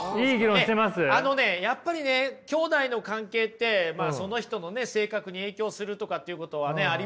あのねやっぱりねきょうだいの関係ってその人の性格に影響するとかっていうことはありますしね。